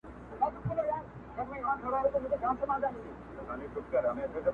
o په جنگ کي حلوا نه وېشل کېږي.